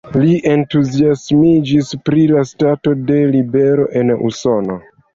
Li entuziasmiĝis pri la stato de libero en Usono.